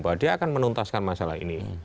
bahwa dia akan menuntaskan masalah ini